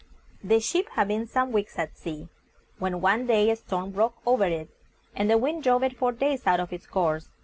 The ship had been some weeks at sea, when one day a storm broke over it, and the wind drove it for days out of its course.